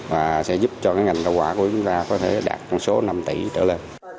và sẽ giúp cho ngành rau quả của chúng ta có thể đạt con số năm tỷ trở lên